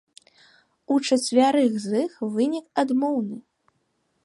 У чацвярых з іх вынік адмоўны.